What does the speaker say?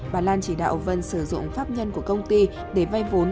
bà lan chỉ đạo vân sử dụng pháp nhân của công ty để vay vốn